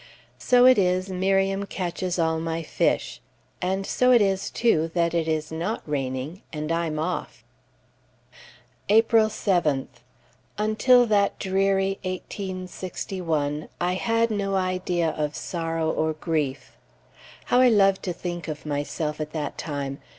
So it is Miriam catches all my fish and so it is, too, that it is not raining, and I'm off. April 7th. Until that dreary 1861, I had no idea of sorrow or grief.... How I love to think of myself at that time!